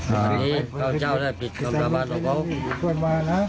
ที่นี่ก้าวเจ้าได้ผิดคำสาบานของเขา